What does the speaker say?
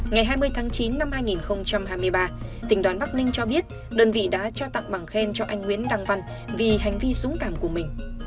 ngày hai mươi tháng chín năm hai nghìn hai mươi ba tỉnh đoán bắc ninh cho biết đơn vị đã trao tặng bằng khen cho anh nguyễn đăng vân vì hành vi dũng cảm của mình